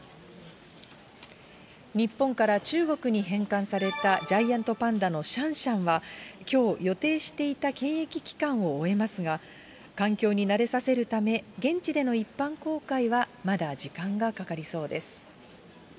日本から中国に返還されたジャイアントパンダのシャンシャンはきょう、予定していた検疫期間を終えますが、環境に慣れさせるため、現地での一般公開はまだ時間がかかりそうです。